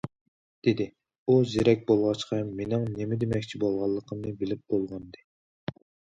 دېدى، ئۇ زېرەك بولغاچقا مېنىڭ نېمە دېمەكچى بولغانلىقىمنى بىلىپ بولغانىدى.